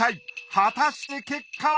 果たして結果は？